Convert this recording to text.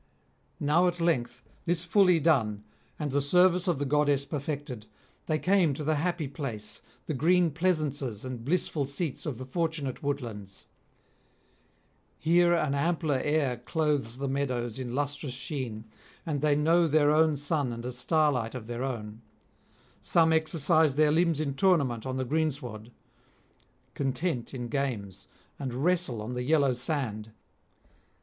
Now at length, this fully done, and the service of the goddess perfected, they came to the happy place, the green pleasances and blissful seats of the Fortunate Woodlands. Here an ampler air clothes the meadows in lustrous sheen, and they know their own sun and a starlight of their own. Some exercise their limbs in tournament on the greensward, contend in games, and wrestle on the yellow sand.